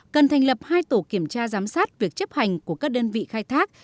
cần thành lập hai tổ kiểm tra giám sát việc chấp hành của các đơn vị khai thác